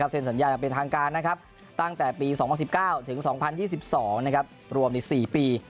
เสร็จสัญญาณเป็นทางการตั้งแต่ปี๒๐๑๙ถึง๒๐๒๒รวม๔ปี